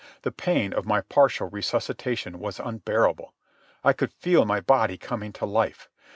The pain of my partial resuscitation was unbearable. I could feel my body coming to life.